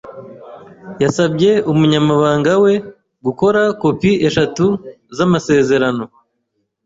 yasabye umunyamabanga we gukora kopi eshatu z'amasezerano.